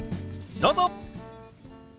どうぞ！